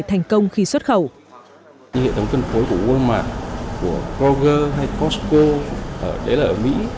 thành công khi xuất khẩu như hệ thống cân phối của walmart của kroger hay costco đấy là ở mỹ